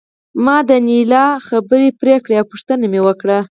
ما د انیلا خبرې پرې کړې او پوښتنه مې وکړه